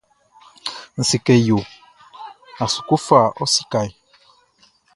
N se kɛ yo a su kɔ fa ɔ sikaʼn?